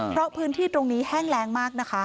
เพราะพื้นที่ตรงนี้แห้งแรงมากนะคะ